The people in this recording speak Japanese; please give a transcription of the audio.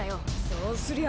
そうすりゃ。